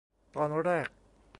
ตอนแรก